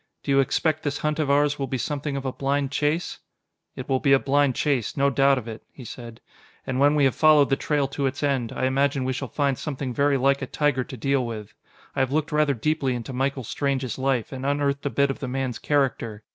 "Do you expect this hunt of ours will be something of a blind chase?" "It will be a blind chase, no doubt of it," he said. "And when we have followed the trail to its end, I imagine we shall find something very like a tiger to deal with. I have looked rather deeply into Michael Strange's life, and unearthed a bit of the man's character.